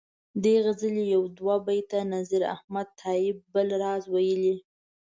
دې غزلي یو دوه بیته نذیر احمد تائي بل راز ویلي.